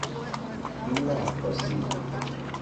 فیلم عکاسی